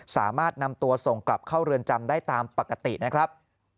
สามารถนำตัวส่งกลับเข้าเรือนจำได้ตามปกตินะครับ